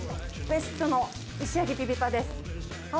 ベストの石焼きビビンバです。